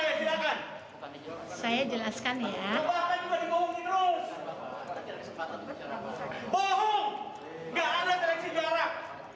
gak ada direksi jarak